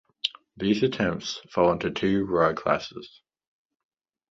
These attempts fall into two broad classes.